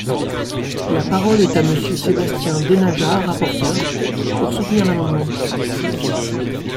La parole est à Monsieur Sébastien Denaja, rapporteur, pour soutenir l’amendement.